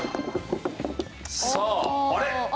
さああれ？